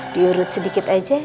diurut sedikit aja